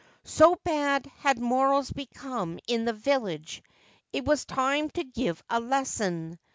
So bad had morals become in the village, it was time to give a lesson.